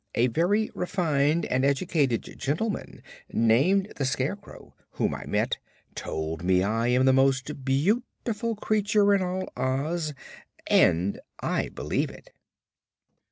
A very refined and educated gentleman named the Scarecrow, whom I met, told me I am the most beautiful creature in all Oz, and I believe it."